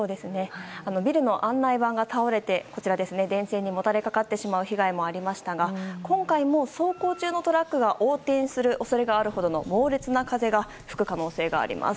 ビルの案内板が倒れて電線にもたれかかってしまう被害もありましたが今回も走行中のトラックが横転する恐れがあるほどの猛烈な風が吹く可能性があります。